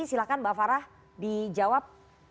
silakan mbak farah dijawab